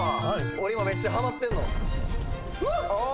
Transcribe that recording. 俺今めっちゃハマってんの。